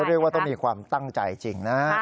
เรียกว่าต้องมีความตั้งใจจริงนะ